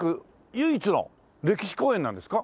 唯一の歴史公園なんですか？